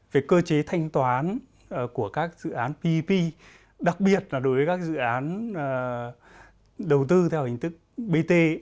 về cơ chế thanh toán của các dự án pep đặc biệt là đối với các dự án đầu tư theo hình thức bt